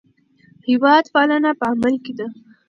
هېوادپالنه په عمل کې ده.